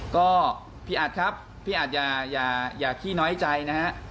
ก็พี่อัดครับพี่อัดอย่าขี้น้อยใจนะฮะ